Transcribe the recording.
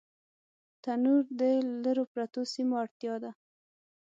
تنور د لرو پرتو سیمو اړتیا ده